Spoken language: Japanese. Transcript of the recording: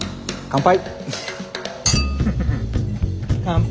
乾杯。